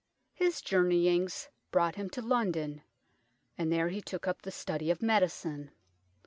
His journey ings brought him to London, and there he took up the study of medicine.